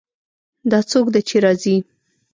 دا څوک ده چې راځي